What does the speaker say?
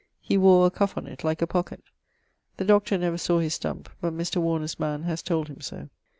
He wore a cuffe on it like a pockett. The Doctor never sawe his stump, but Mr. Warner's man has told him so.